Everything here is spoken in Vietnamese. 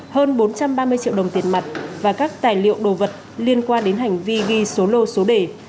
hơn bốn trăm ba mươi triệu đồng tiền mặt và các tài liệu đồ vật liên quan đến hành vi ghi số lô số đề